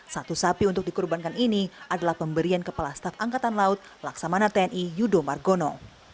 satu sapi untuk dikorbankan ini adalah pemberian kepala staff angkatan laut laksamana tni iudomar gono